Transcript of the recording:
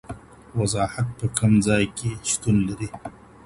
وضاحت په کوم ځای کي شتون لري؟